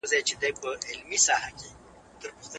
سوله ایز ژوند د ټولو حق دی.